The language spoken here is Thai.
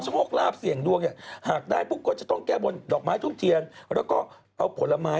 แสดงว่ามีคนเคยทำแล้วได้แน่เลย